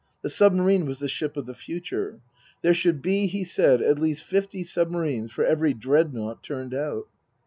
The submarine was the ship of the future. There should be, he said, at least fifty submarines for every Dreadnought turned out.